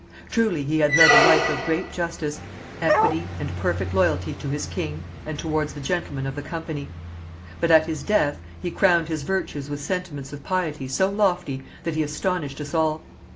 Truly he had led a life of great justice, equity and perfect loyalty to his king and towards the gentlemen of the company. But at his death he crowned his virtues with sentiments of piety so lofty that he astonished us all.